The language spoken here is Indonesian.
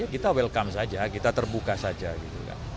kita welcome saja kita terbuka saja gitu kan